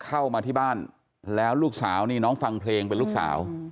เข้ามาที่บ้านแล้วลูกสาวนี่น้องฟังเพลงเป็นลูกสาว